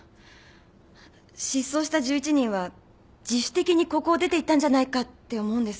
失踪した１１人は自主的にここを出ていったんじゃないかって思うんです。